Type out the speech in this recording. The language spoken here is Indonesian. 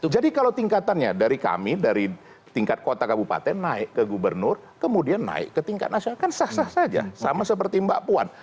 jadi kalau tingkatannya dari kami dari tingkat kota kabupaten naik ke gubernur kemudian naik ke tingkat nasional kan sah sah saja sama seperti mbak puan